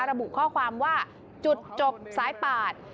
ระบุข้อความว่าจุดจบสายปาด